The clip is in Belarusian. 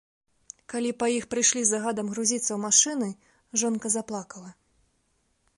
Калі па іх прыйшлі з загадам грузіцца ў машыны, жонка заплакала.